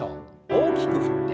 大きく振って。